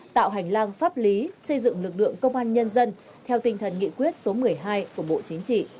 tạo hành lang pháp lý xây dựng lực lượng công an nhân dân theo tinh thần nghị quyết số một mươi hai của bộ chính trị